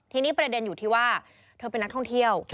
ทีนี้ประเด็นอยู่ที่ว่าเธอเป็นนักท่องเที่ยว